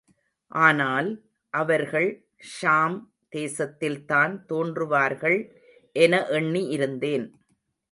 ஆனால், அவர்கள் ஷாம் தேசத்தில்தான் தோன்றுவார்கள் என எண்ணி இருந்தேன்.